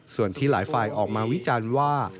ส่วนที่หลายฝ่ายออกมาวิจารณ์ว่า